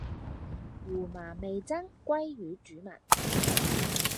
胡麻味噌鮭魚煮物